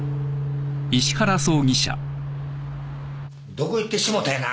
どこ行ってしもうたんやな？